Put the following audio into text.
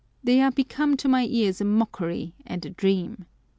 They are become to my ears a mockery and a dream.